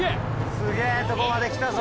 すげぇとこまで来たぞ。